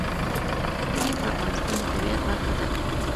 اقلیم د افغانستان د طبیعت برخه ده.